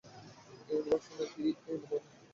এই ইউনিভার্সে নাকি এই বনে?